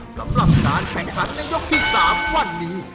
สำหรับการแข่งขันในยกที่๓วันนี้